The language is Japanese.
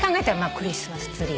クリスマスツリー？